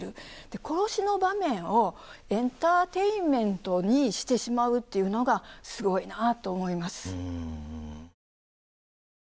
で殺しの場面をエンターテインメントにしてしまうというのがすごいなと思います。